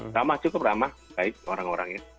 ramah cukup ramah baik orang orangnya